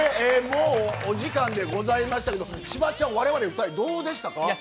もうお時間でございましたけど柴ちゃん、我々２人どうでしたか？